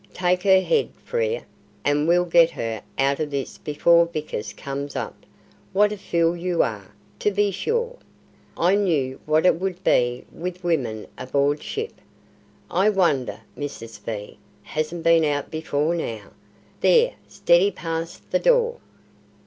Take her head, Frere, and we'll get her out of this before Vickers comes up. What a fool you are, to be sure! I knew what it would be with women aboard ship. I wonder Mrs. V. hasn't been out before now. There steady past the door.